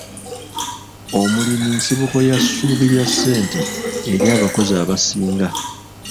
Omulimi nsibuko ya ssuubi lya ssente eri abakozi abasinga.